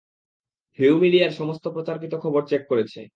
Hugh মিডিয়ার সমস্ত প্রচারকৃত খবর চেক করেছে।